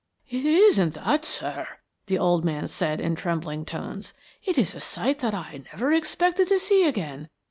"It isn't that, sir," the old man said in trembling tones. "It is a sight that I never expected to see again.